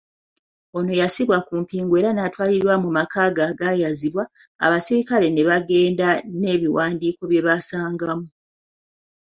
Ono yassibwa ku mpingu era n'atwalibwa mu maka ge agaayazibwa, abasirikale ne bagenda n'ebiwandiiko bye baasangamu.